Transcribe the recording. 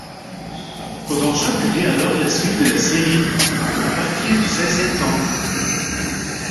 Kōdansha publie alors la suite de la série à partir du seizième tome.